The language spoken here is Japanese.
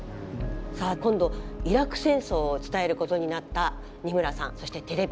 さあ今度イラク戦争を伝えることになった二村さんそしてテレビ。